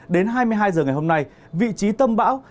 đến hai mươi hai h ngày hôm nay vị trí tâm bão